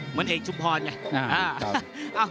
เหมือนเอกชุมพรไง